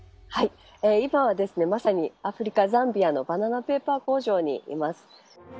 今はまさにアフリカザンビアのバナナペーパー工場にいます。